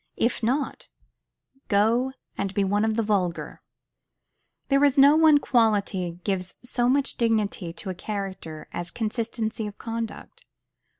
If not, go and be one of the vulgar. There is no one quality gives so much dignity to a character as consistency of conduct.